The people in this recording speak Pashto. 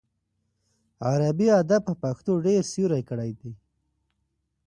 عربي ادب په پښتو ډېر سیوری کړی دی.